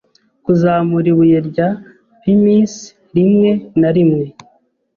Kuzamura ibuye rya pumice rimwe na rimwe